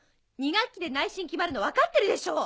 ２学期で内申決まるの分かってるでしょ！